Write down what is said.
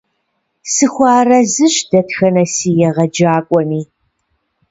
Сахуэарэзыщ дэтхэнэ си егъэджакӀуэми.